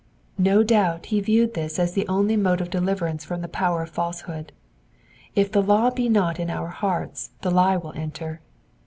No doubt he viewed this as the only mode of deliverance from the power of " falsehood : if the law be not in our hearts the lie will enter.